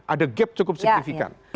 ada gap cukup signifikan